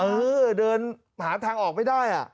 เออเดินหาทางออกไม่ได้